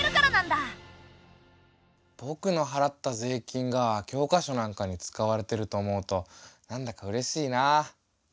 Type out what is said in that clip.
ぼくの払った税金が教科書なんかに使われてると思うとなんだかうれしいなあ。